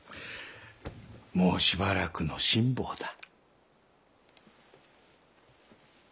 もうしばらくの辛抱だ。